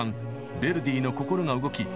ヴェルディの心が動き